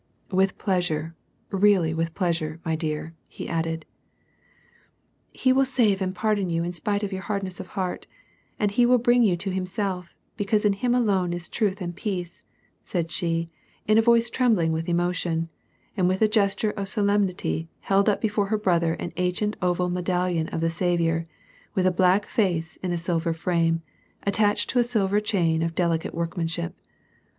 "With pleasure, really with pleasure, my dear," he added. " He will save and pardon you in spite of your hardness of heart ; he will bring you to Himself, because in Him alone is truth and peace," she said, in a voice trembling with emotion, and with a gesture of solemnity held up before her brother an ancient oval medallion of the Saviour, with a black face in a silver frame, attached to a silver chain of delicate workman ship.